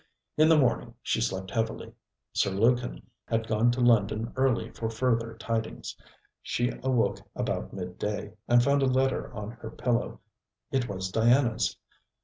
In the morning she slept heavily. Sir Lukin had gone to London early for further tidings. She awoke about midday, and found a letter on her pillow. It was Diana's.